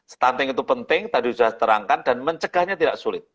stunting itu penting tadi sudah terangkan dan mencegahnya tidak sulit